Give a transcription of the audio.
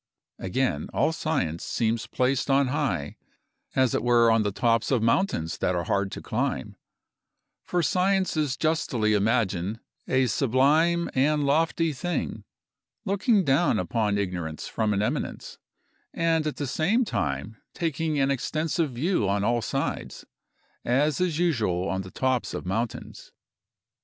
Again, all science seems placed on high, as it were on the tops of mountains that are hard to climb; for science is justly imagined a sublime and lofty thing, looking down upon ignorance from an eminence, and at the same time taking an extensive view on all sides, as is usual on the tops of mountains.